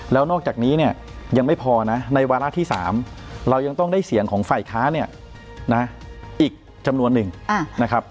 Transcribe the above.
แล้วนอกจากนี้เนี่ยยังไม่พอนะในวาระที่๓เรายังต้องได้เสียงของฝ่ายค้าเนี่ยนะอีกจำนวนหนึ่งนะครับ